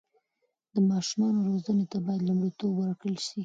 د ماشومانو روزنې ته باید لومړیتوب ورکړل سي.